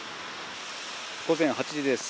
午前８時です。